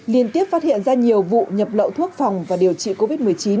liên tiếp phát hiện ra nhiều vụ nhập lậu thuốc phòng và điều trị covid một mươi chín